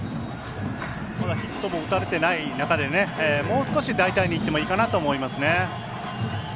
ヒットも打たれてない中でもう少し大胆にいってもいいかなとは思いますね。